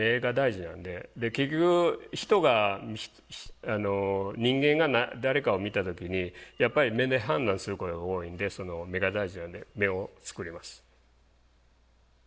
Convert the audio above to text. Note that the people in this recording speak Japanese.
結局人が人間が誰かを見た時にやっぱり目で判断することが多いんでその目が大事なんで目を作ります。